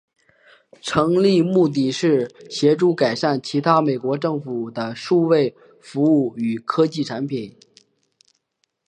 成立目的是协助改善其他美国政府的数位服务与科技产品。